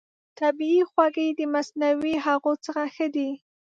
طبیعي خوږې د مصنوعي هغو څخه ښه دي.